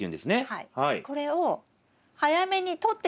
はい。